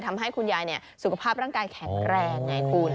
ทำให้คุณยายสุขภาพร่างกายแข็งแรงไงคุณ